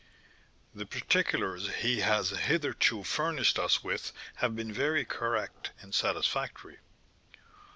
"The particulars he has hitherto furnished us with have been very correct and satisfactory."